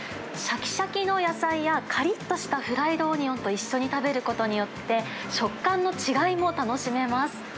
しゃきしゃきの野菜や、かりっとしたフライドオニオンと一緒に食べることによって、食感の違いも楽しめます。